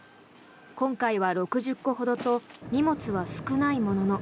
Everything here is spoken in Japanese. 今回は６０個ほどと荷物は少ないものの